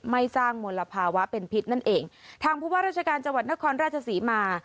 ไม่สร้างมลภาวะเป็นพิษนั่นเองทางผู้ว่าราชการจังหวัดนครราชศรีมา